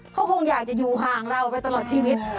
เขาคงอยากจะอยู่ห่างเราไปตลอดชีวิต